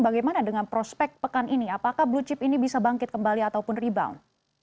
bagaimana dengan prospek pekan ini apakah blue chip ini bisa bangkit kembali ataupun rebound